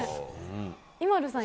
ＩＭＡＬＵさん